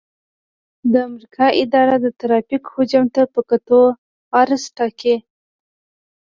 د امریکا اداره د ترافیک حجم ته په کتو عرض ټاکي